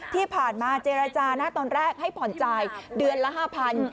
ที่ผ่านมาเจรจานะตอนแรกให้ผ่อนจ่ายเดือนละ๕๐๐บาท